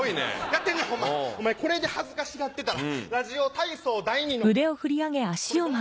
やってんねんホンマお前これで恥ずかしがってたら『ラジオ体操第２』のこれどうすんの？